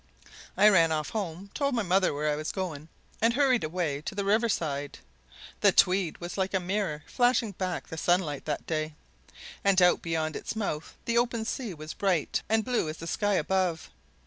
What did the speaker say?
I ran off home, told my mother where I was going, and hurried away to the river side. The Tweed was like a mirror flashing back the sunlight that day, and out beyond its mouth the open sea was bright and blue as the sky above.